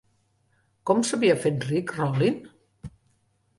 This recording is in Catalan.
Com s'havia fet ric Rolin?